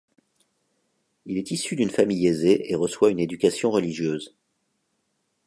Il est issu d'une famille aisée et reçoit une éducation religieuse.